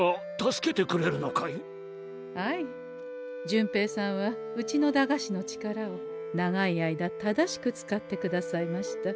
順平さんはうちの駄菓子の力を長い間正しく使ってくださいました。